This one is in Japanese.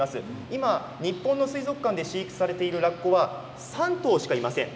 今日本の水族館で飼育されているラッコは、３頭しかいません。